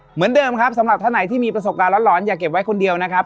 เหมือนเดิมครับสำหรับท่านไหนที่มีประสบการณ์ร้อนอย่าเก็บไว้คนเดียวนะครับ